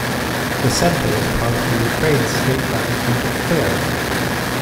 The center was part of the Ukraine's State Management of Affairs.